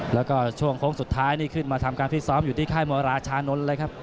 แล้วก็ช่วงโค้งสุดท้ายนี่ขึ้นมาทำการฟิตซ้อมอยู่ที่ค่ายมวยราชานนท์เลยครับ